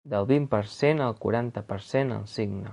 Del vint per cent al quaranta per cent, el cigne.